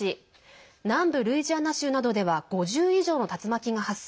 南部ルイジアナ州などでは５０以上の竜巻が発生。